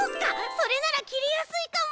それならきりやすいかも！